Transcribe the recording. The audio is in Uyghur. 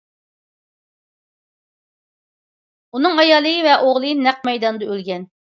ئۇنىڭ ئايالى ۋە ئوغلى نەق مەيداندا ئۆلگەن.